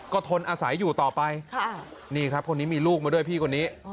ก็ทนอาศัยอยู่ต่อไปนี่ครับคนนี้มีลูกมาด้วยพี่คนนี้